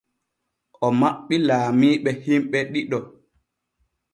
O maɓɓi laamiiɓe hiɓɓe ɗiɗo.